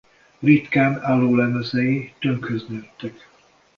Ritkán álló lemezei tönkhöz nőttek.